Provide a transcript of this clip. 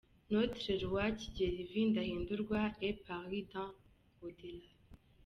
Notre Roi Kigeli V Ndahindurwa est parti dans l’Au-delà.